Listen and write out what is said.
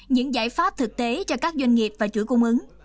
những giải pháp thực tế cho các doanh nghiệp và chuỗi cung ứng